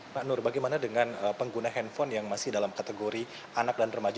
pak nur bagaimana dengan pengguna handphone yang masih dalam kategori anak dan remaja